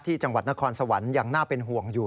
จังหวัดนครสวรรค์ยังน่าเป็นห่วงอยู่